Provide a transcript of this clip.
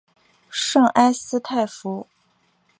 圣埃斯泰夫。